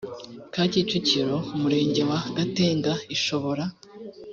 ka kicukiro umurenge wa gatenga ishobora